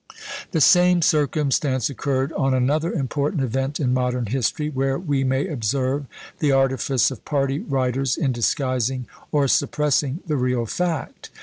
The same circumstance occurred on another important event in modern history, where we may observe the artifice of party writers in disguising or suppressing the real fact.